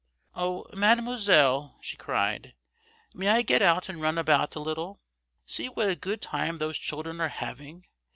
"Oh, Mademoiselle!" she cried, "may I get out and run about a little? See what a good time those children are having!